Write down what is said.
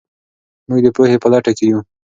موږ د پوهې په لټه کې یو.